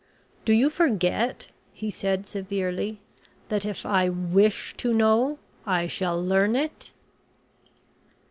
"Do you forget," he said, severely, "that if I wish to know, I shall learn it?"